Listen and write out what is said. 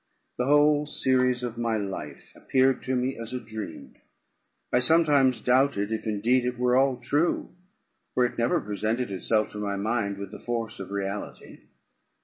The whole series of my life appeared to me as a dream; I sometimes doubted if indeed it were all true, for it never presented itself to my mind with the force of reality.